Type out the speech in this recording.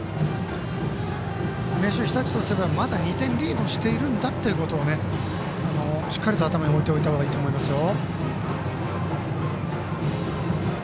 明秀日立とすればまだ２点リードしているんだということをしっかりと頭に置いておいた方がいいと思いますよ。